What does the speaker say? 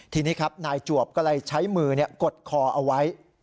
ทีนี้ครับนายจวบก็เลยใช้มือกดคอเอาไว้